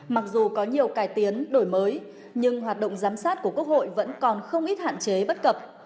mặc dù có nhiều cải tiến đổi mới nhưng hoạt động giám sát của quốc hội vẫn còn không ít hạn chế bất cập